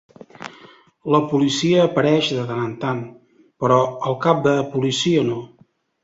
La policia apareix de tant en tant, però el cap de policia no.